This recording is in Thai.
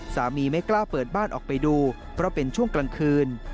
ไม่กล้าเปิดบ้านออกไปดูเพราะเป็นช่วงกลางคืน